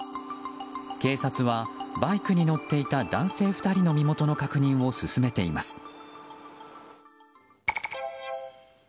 警察はバイクに乗っていた男性２人の身元の確認を進めています。